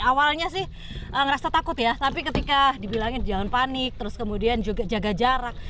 awalnya sih ngerasa takut ya tapi ketika dibilangin jangan panik terus kemudian juga jaga jarak